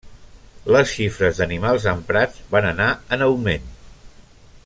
Les xifres d'animals emprats van anar en augment.